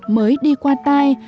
mới đi qua tai